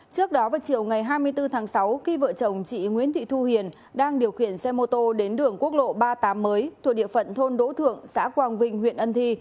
trước đó vào chiều ngày hai mươi bốn tháng sáu khi vợ chồng chị nguyễn thị thu hiền đang điều khiển xe mô tô đến đường quốc lộ ba mươi tám mới thuộc địa phận thôn đỗ thượng xã quang vinh huyện ân thi